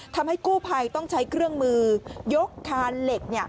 ทำให้กู้ภัยต้องใช้เครื่องมือยกคานเหล็ก